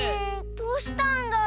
どうしたんだろう。